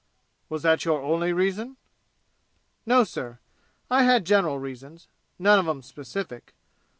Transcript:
"Was that your only reason?" "No, sir. I had general reasons. None of 'em specific.